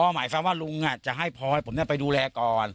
หมายความว่าลุงจะให้พลอยผมไปดูแลก่อน